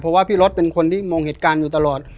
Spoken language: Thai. เพราะว่าพี่รถเป็นคนที่มองเหตุการณ์อยู่ตลอด